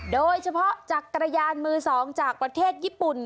โดยเฉพาะจักรยานมือ๒จากประเทศญี่ปุ่น